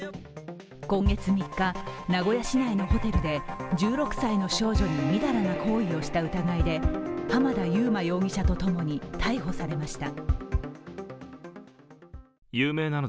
今月３日、名古屋市内のホテルで１６歳の少女にみだらな行為をした疑いで濱田祐摩容疑者と共に逮捕されました。